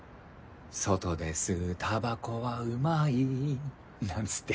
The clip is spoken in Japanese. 外で吸うタバコはうまいなんつって。